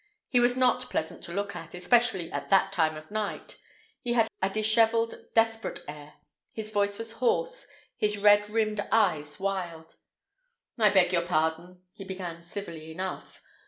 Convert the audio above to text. He was not pleasant to look at, especially at that time of night. He had a disheveled, desperate air, his voice was hoarse, his red rimmed eyes wild. "I beg your pardon," he began civilly enough.